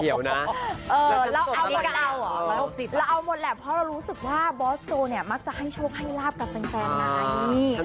เหี่ยวนะแล้วจะสดแล้วไงละเพราะเรารู้สึกว่าบอสโจ้มักจะให้โชคให้ลาบกับเป็นแฟนไหน